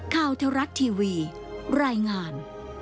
เทวรัฐทีวีรายงาน